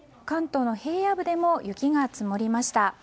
関東の平野部でも雪が積もりました。